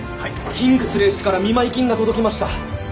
キングスレー氏から見舞い金が届きました。